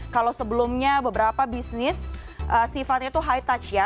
kalau sebelumnya beberapa bisnis sifatnya itu high touch ya